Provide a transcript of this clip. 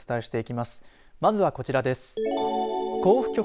まずは、こちらです。